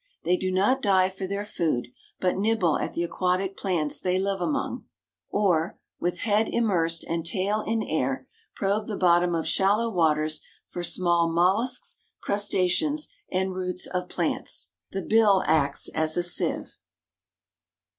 They do not dive for their food, but nibble at the aquatic plants they live among; or, with head immersed and tail in air, "probe the bottom of shallow waters for small mollusks, crustaceans, and roots of plants." The bill acts as a sieve.